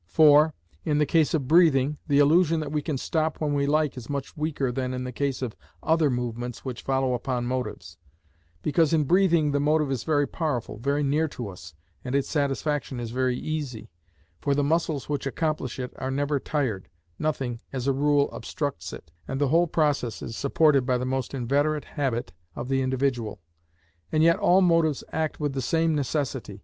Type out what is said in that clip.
For, in the case of breathing, the illusion that we can stop when we like is much weaker than in the case of other movements which follow upon motives; because in breathing the motive is very powerful, very near to us, and its satisfaction is very easy, for the muscles which accomplish it are never tired, nothing, as a rule, obstructs it, and the whole process is supported by the most inveterate habit of the individual. And yet all motives act with the same necessity.